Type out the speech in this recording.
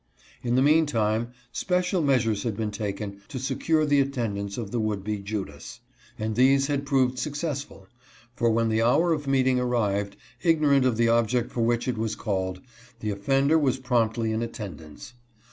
In the meantime special measures had been taken to secure the attendance of the HIS FIRST FREE EARNINGS. 259 would be Judas, and these had proved successful, for when the hour of meeting arrived, ignorant of the object for which it was called, the offender was promptly in attendance.